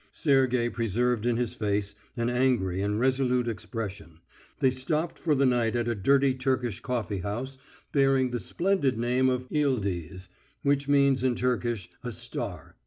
Sergey preserved in his face an angry and resolute expression. They stopped for the night at a dirty Turkish coffee house, bearing the splendid name of Eeldeez, which means in Turkish, a star.